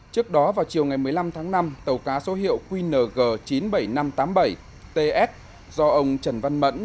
trước đó vào chiều ngày một mươi năm tháng năm tàu cá số hiệu qng chín mươi bảy nghìn năm trăm tám mươi bảy ts do ông trần văn mẫn